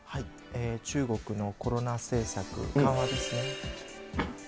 中国のコロナ政策緩和ですね。